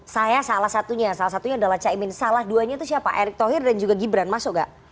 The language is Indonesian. saya salah satunya salah satunya adalah caimin salah duanya itu siapa erick thohir dan juga gibran masuk gak